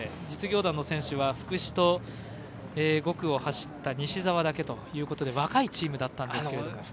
実業団の選手は福士と５区を走った西澤だけという若いチームだったんですけれども。